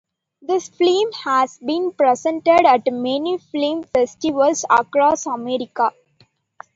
This film has been presented at many film festivals across America.